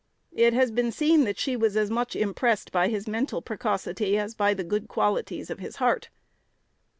It has been seen that she was as much impressed by his mental precocity as by the good qualities of his heart.